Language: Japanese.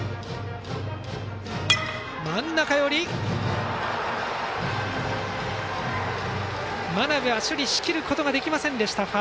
ファースト、真鍋が処理しきることができませんでした。